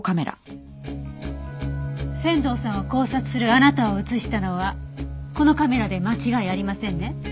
仙道さんを絞殺するあなたを写したのはこのカメラで間違いありませんね？